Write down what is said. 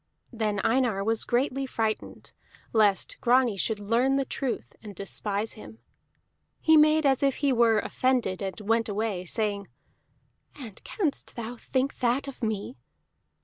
Then Einar was greatly frightened lest Grani should learn the truth and despise him; he made as if he were offended, and went away, saying: "And canst thou think that of me?"